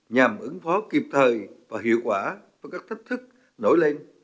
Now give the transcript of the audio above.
nhằm ứng phó kịp thời và hiệu quả với các thách thức nổi lên